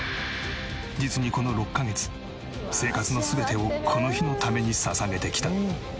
実にこの６カ月生活の全てをこの日のために捧げてきた。